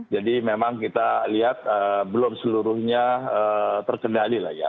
jadi memang kita lihat belum seluruhnya terkendali